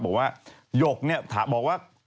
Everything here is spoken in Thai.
บอกว่าหยกเนี่ยบอกว่า